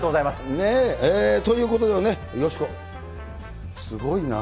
ねえ、ということでね、よしこ、すごいな。